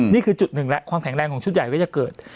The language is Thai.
นี่คือจุดหนึ่งแล้วความแข็งแรงของชุดใหญ่ก็จะเกิด